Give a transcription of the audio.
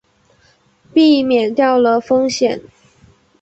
避免掉了风险